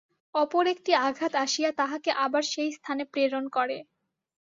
অপর একটি আঘাত আসিয়া তাহাকে আবার সেই স্থানে প্রেরণ করে।